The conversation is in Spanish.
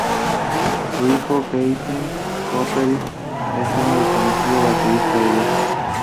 Su hijo Keith Copeland es un reconocido baterista de jazz.